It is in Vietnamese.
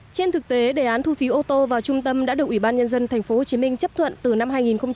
trên thực tế đề án thu phí ô tô vào trung tâm đã được ủy ban nhân dân tp hcm chấp thuận từ năm hai nghìn một mươi